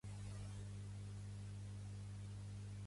Com la Mare de Déu de Rodés: més la paren, més lletja és.